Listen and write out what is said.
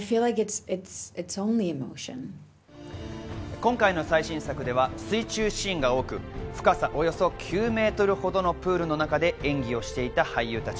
今回の最新作では水中シーンが多く、深さおよそ９メートル程のプールの中で演技をしていた俳優たち。